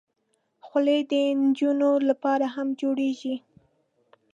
خولۍ د نجونو لپاره هم جوړېږي.